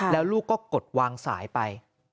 แล้วลูกก็กดวางสายไป